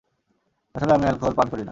আসলে, আমি অ্যালকোহল পান করি না।